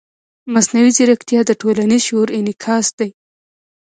مصنوعي ځیرکتیا د ټولنیز شعور انعکاس دی.